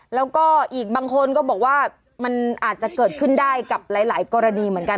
แล้วก็อีกบางคนก็บอกว่ามันอาจจะเกิดขึ้นได้กับหลายกรณีเหมือนกัน